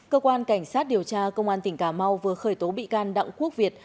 cơ quan cảnh sát điều tra công an tỉnh cà mau vừa khởi tố bị can đặng quốc việt